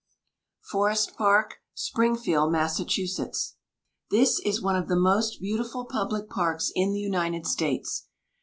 FOREST PARK, SPRINGFIELD, MASS. This is one of the most beautiful public parks in the United States.